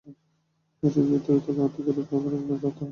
এরই জের ধরে তাঁকে হত্যা করা হতে পারে বলে তাঁর ধারণা।